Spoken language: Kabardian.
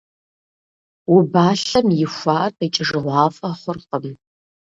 Убалъэм ихуар къикӀыжыгъуафӀэ хъуркъым.